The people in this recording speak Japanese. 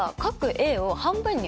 Ａを半分に。